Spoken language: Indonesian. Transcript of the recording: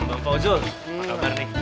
mbak mbak uzul apa kabar nih